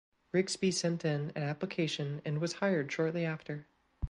Rigsby sent in an application and was hired shortly after.